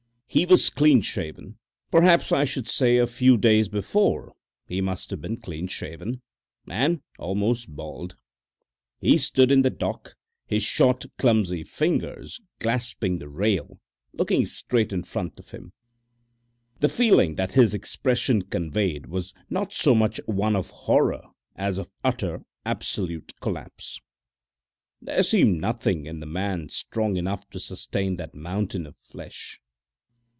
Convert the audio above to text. He was clean shaven (perhaps I should say a few days before he must have been clean shaven) and almost bald. He stood in the dock, his short, clumsy fingers clasping the rail, looking straight in front of him. The feeling that his expression conveyed was not so much one of horror as of utter, absolute collapse. There seemed nothing in the man strong enough to sustain that mountain of flesh.